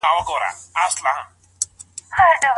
په يوازي کور کي ژوند کول ولي ستونزمن وي؟